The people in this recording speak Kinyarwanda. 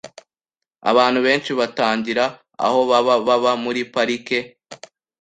Abantu benshi batagira aho baba baba muri parike .